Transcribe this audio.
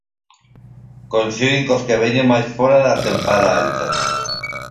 Coinciden cos que veñen máis fóra da tempada alta.